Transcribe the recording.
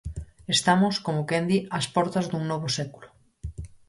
Estamos, como quen di, ás portas dun novo século.